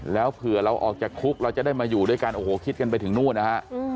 แล้วเผื่อเราออกจากคุกเราจะได้มาอยู่ด้วยกันโอ้โหคิดกันไปถึงนู่นนะฮะ